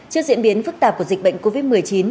trước diễn biến phức tạp của dịch bệnh covid một mươi chín